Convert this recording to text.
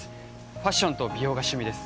ファッションと美容が趣味です